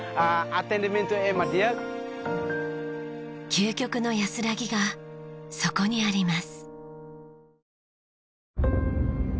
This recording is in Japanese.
究極の安らぎがそこにあります。